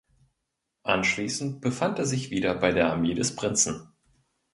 Anschließend befand er sich wieder bei der Armee des Prinzen.